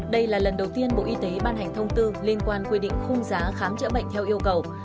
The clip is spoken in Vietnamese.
đây là lần đầu tiên bộ y tế ban hành thông tư liên quan quy định khung giá khám chữa bệnh theo yêu cầu